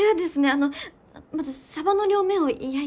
あのまずサバの両面を焼いて。